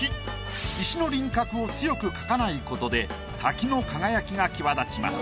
石の輪郭を強く描かないことで滝の輝きが際立ちます。